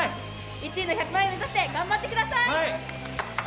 １位の１００万円目指して頑張ってください。